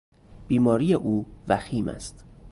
بیماری او وخیم است.